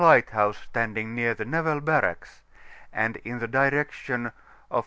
lighthouse standing near the Naval Barracks, and in the direc tion of S.